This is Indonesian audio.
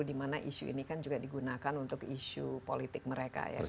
karena isu ini kan juga digunakan untuk isu politik mereka ya